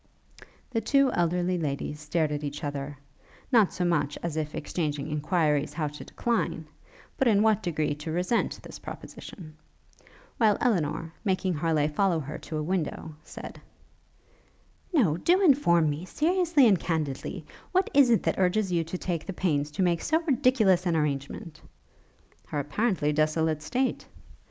The two elderly ladies stared at each other, not so much as if exchanging enquiries how to decline, but in what degree to resent this proposition; while Elinor, making Harleigh follow her to a window, said, 'No, do inform me, seriously and candidly, what it is that urges you to take the pains to make so ridiculous an arrangement?' 'Her apparently desolate state.'